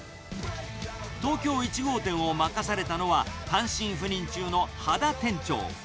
東京１号店を任されたのは、単身赴任中の秦店長。